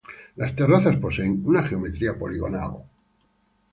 Las terrazas poseen una geometría poligonal.